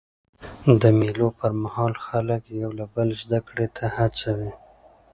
د مېلو پر مهال خلک یو له بله زدهکړي ته هڅوي.